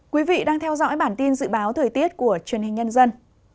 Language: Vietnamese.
quý vị đang theo dõi bản tin dự báo thời tiết của truyền hình nhân dân